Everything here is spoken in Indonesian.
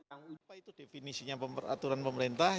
apa itu definisinya peraturan pemerintah